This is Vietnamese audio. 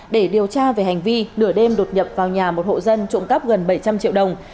để điều tra về hành vi nửa đêm đột nhập vào nhà một hộ dân trộm cắp gần bảy trăm linh triệu đồng